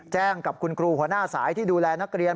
แจ้งกับคุณครูหัวหน้าสายที่ดูแลนักเรียน